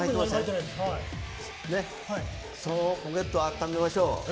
そのポケットを温めましょう。